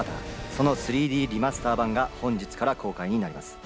その３Ｄリマスター盤が本日から公開になります。